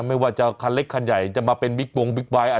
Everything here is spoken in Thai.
ไม่ว่าจะคันเล็กคันใหญ่จะมาเป็นบิ๊กบงบิ๊กไบท์